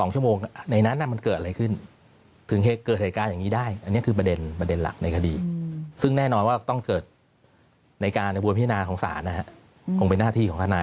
๒ชมในนั้นมันเกิดอะไรขึ้นถึงเกิดการณ์แบบนี้ได้